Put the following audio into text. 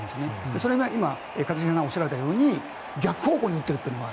それが一茂さんがおっしゃられたように逆方向に打ってるというのが。